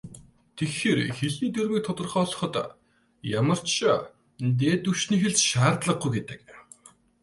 Тэгэхээр, хэлний дүрмийг тодорхойлоход ямар ч "дээд түвшний хэл" шаардлагагүй гэдэг.